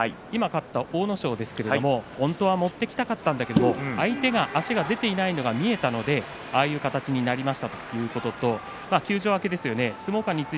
今、勝った阿武咲ですけど本当は持っていきたかったんだけども相手の足が出ていないのが見えたのでああいう形になったということです。